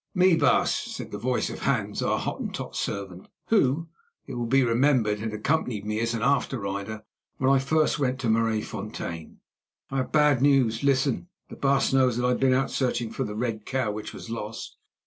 "Me, baas," said the voice of Hans, our Hottentot servant, who, it will be remembered, had accompanied me as after rider when first I went to Maraisfontein. "I have bad news. Listen. The baas knows that I have been out searching for the red cow which was lost.